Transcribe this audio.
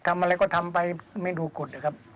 ทำอะไรก็ทำไปไม่ดูกฎนะครับ